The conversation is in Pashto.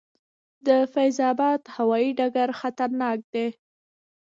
د فیض اباد هوايي ډګر خطرناک دی؟